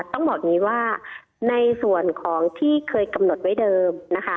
ต้องบอกอย่างนี้ว่าในส่วนของที่เคยกำหนดไว้เดิมนะคะ